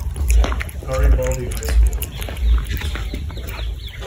Garibaldi High School became a grade school.